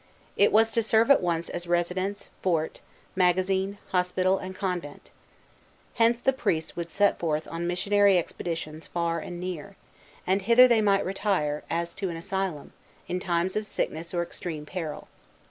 It was to serve at once as residence, fort, magazine, hospital, and convent. Hence the priests would set forth on missionary expeditions far and near; and hither they might retire, as to an asylum, in times of sickness or extreme peril.